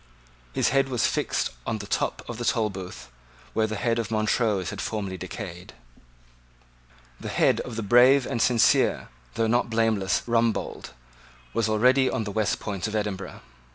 His head was fixed on the top of the Tolbooth, where the head of Montrose had formerly decayed. The head of the brave and sincere, though not blameless Rumbold, was already on the West Port of Edinburgh.